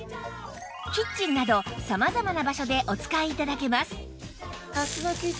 キッチンなど様々な場所でお使い頂けます